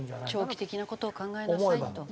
長期的な事を考えなさいと。